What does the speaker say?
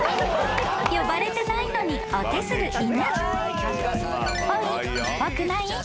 ［呼ばれてないのにお手する犬］